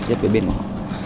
nhất với bên của họ